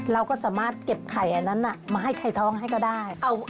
เราก็สามารถเก็บไข่อันนั้นมาให้ไข่ท้องให้ก็ได้